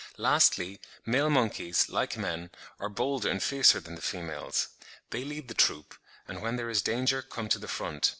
Lastly, male monkeys, like men, are bolder and fiercer than the females. They lead the troop, and when there is danger, come to the front.